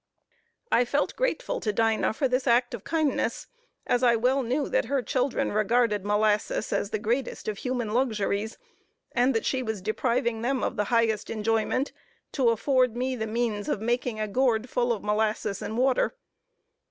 I felt grateful to Dinah for this act of kindness, as I well knew that her children regarded molasses as the greatest of human luxuries, and that she was depriving them of their highest enjoyment to afford me the means of making a gourd full of molasses and water.